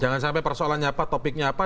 jangan sampai persoalannya apa topiknya apa